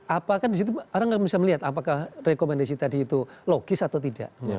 apakah disitu orang tidak bisa melihat apakah rekomendasi tadi itu logis atau tidak